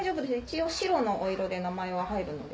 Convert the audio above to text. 一応白のお色で名前は入るので。